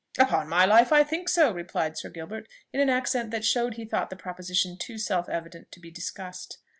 "Upon my life I think so," replied Sir Gilbert, in an accent that showed he thought the proposition too self evident to be discussed.